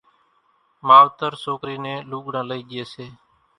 ماوتر سوڪرِي نين لوڳڙان لئِي ڄي سي